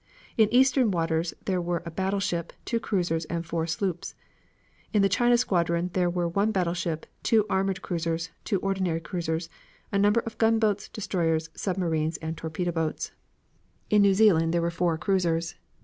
In eastern waters there were a battleship, two cruisers, and four sloops. In the China squadron there were one battleship, two armored cruisers, two ordinary cruisers, and a number of gunboats, destroyers, submarines, and torpedo boats. In New Zealand there were four cruisers.